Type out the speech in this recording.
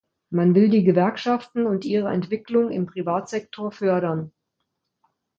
Man will die Gewerkschaften und ihre Entwicklung im Privatsektor fördern.